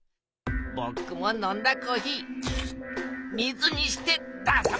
ぼくも飲んだコーヒー水にして出そか！